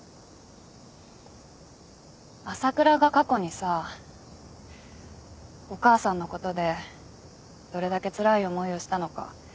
朝倉が過去にさお母さんのことでどれだけつらい思いをしたのか